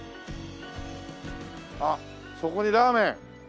あっそこにラーメン。